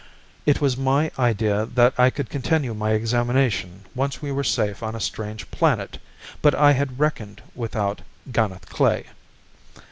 "It was my idea that I could continue my examination once we were safe on a strange planet But I had reckoned without Ganeth Klae."